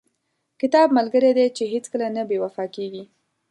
• کتاب ملګری دی چې هیڅکله نه بې وفا کېږي.